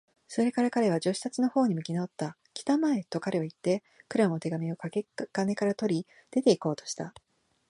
それから彼は、助手たちのほうに向きなおった。「きたまえ！」と、彼はいって、クラムの手紙をかけ金から取り、出ていこうとした。